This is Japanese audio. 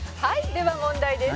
では問題です」